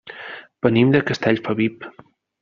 Venim de Castellfabib.